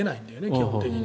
基本的に。